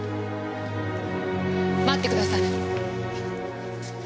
待ってください！